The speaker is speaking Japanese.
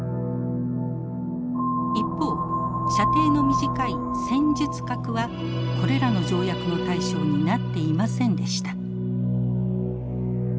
一方射程の短い戦術核はこれらの条約の対象になっていませんでした。